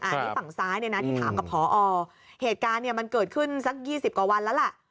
อันนี้ฝั่งซ้ายเนี่ยนะที่ถามกับพอเหตุการณ์เนี่ยมันเกิดขึ้นสัก๒๐กว่าวันแล้วล่ะ